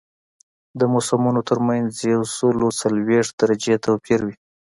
د موسمونو ترمنځ یو سل او څلوېښت درجې توپیر وي